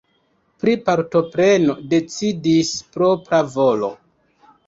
Pri partopreno decidis propra volo.